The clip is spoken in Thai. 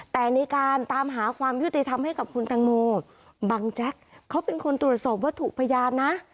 แต่ในการตามหาความยุติธรรมให้กับคุณตังโมบังแจ็คเขาเป็นคนตรวจสอบวัตถุพยานนะ